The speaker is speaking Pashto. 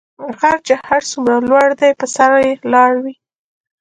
غر چی هر څومره لوړ دي په سر یي لار وي .